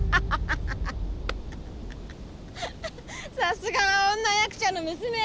さすがは女役者の娘。